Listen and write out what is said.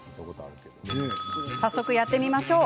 早速、やってみましょう。